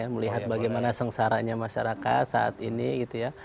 melihat bagaimana sengsaranya masyarakat saat ini gitu ya